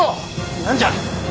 何じゃ。